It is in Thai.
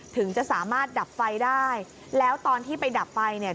ถึงจะสามารถดับไฟได้แล้วตอนที่ไปดับไฟเนี่ย